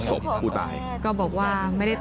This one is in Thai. หนูจะให้เขาเซอร์ไพรส์ว่าหนูเก่ง